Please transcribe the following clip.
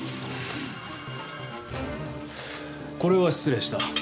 これは失礼した。